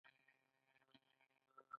اوس نوي جوړ شوي مواد بیا وزن کړئ.